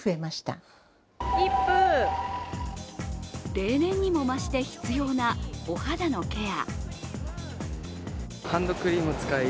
例年にも増して必要なお肌のケア。